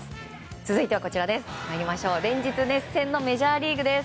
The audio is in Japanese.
続いては、連日熱戦のメジャーリーグです。